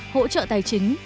hỗ trợ tài chính